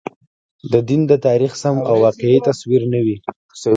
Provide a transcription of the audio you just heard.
د دین د تاریخ سم او واقعي تصویر نه وي.